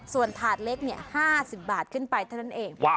ส่วนถาดเล็ก๕๐บาทขึ้นไปเท่านั้นเอง